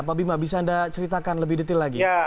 pak bima bisa anda ceritakan lebih detail lagi